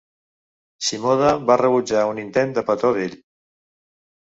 Shimoda va rebutjar un intent de petó d'ell.